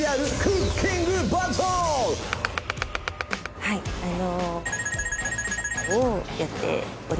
はいあの。